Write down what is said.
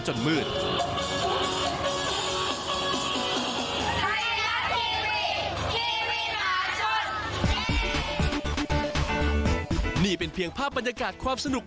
ซึ่งที่นี่เรามีแฟนรายการตัวน้อย